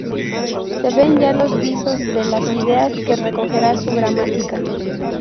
Se ven ya los visos de las ideas que recogerá su gramática.